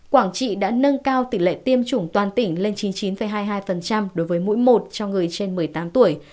quảng trị đã nâng cao tỷ lệ tiêm chủng toàn tỉnh lên chín mươi chín hai mươi hai đối với mũi một cho người trên một mươi tám tuổi